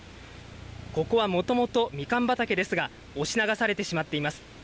ここはもともとみかん畑ですが押し流されてしまっています。